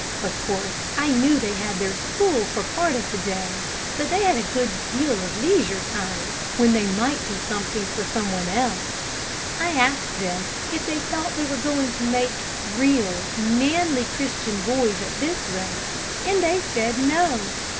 Of course, I knew they had their school for a part of the day, but they had a good deal of leisure time when they might do something for some one else. I asked them if they thought they were going to make real, manly Christian boys at this rate, and they said no.